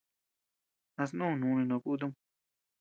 ¿A snú núni no kutum?